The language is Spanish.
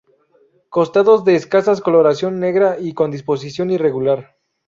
Costados de escasa coloración negra y con disposición irregular.